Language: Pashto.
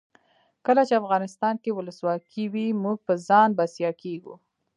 کله چې افغانستان کې ولسواکي وي موږ په ځان بسیا کیږو.